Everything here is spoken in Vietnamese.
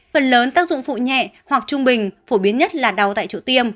phần lớn tác dụng phụ nhẹ hoặc trung bình phổ biến nhất là đau tại chỗ tiêm